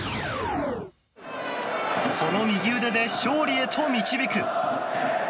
その右腕で勝利へと導く。